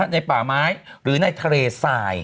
ในป่าไม้หรือในทะเลสาย